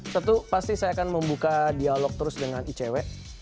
satu pasti saya akan membuka dialog terus dengan icw